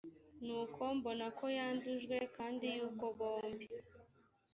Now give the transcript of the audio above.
nuko mbona ko yandujwe kandi yuko bombi